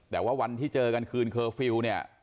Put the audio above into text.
แต่ว่าวันที่เจอกันคืนเคอร์ฟิลล์เนี่ย